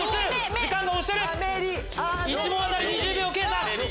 １問当たり２０秒計算！